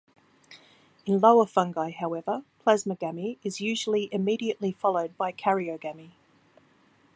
In lower fungi however, plasmogamy is usually immediately followed by karyogamy.